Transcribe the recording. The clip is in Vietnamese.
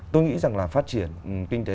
tôi nghĩ rằng là phát triển kinh tế